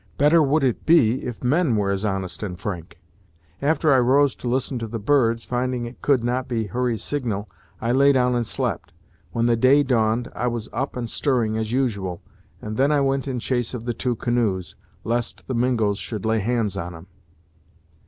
Better would it be if men were as honest and frank. After I rose to listen to the birds, finding it could not be Hurry's signal, I lay down and slept. When the day dawned I was up and stirring, as usual, and then I went in chase of the two canoes, lest the Mingos should lay hands on 'em."